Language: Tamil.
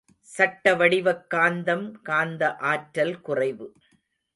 சட்ட வடிவக் காந்தம் காந்த ஆற்றல் குறைவு.